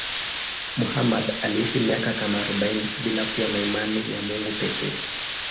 Muhammad aliishi miaka kama arobaini bila kuwa na imani ya Mungu pekee.